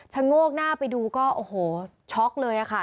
โงกหน้าไปดูก็โอ้โหช็อกเลยค่ะ